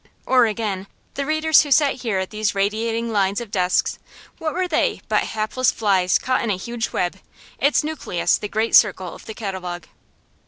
Or again, the readers who sat here at these radiating lines of desks, what were they but hapless flies caught in a huge web, its nucleus the great circle of the Catalogue?